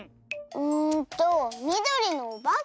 うんとみどりのおばけ？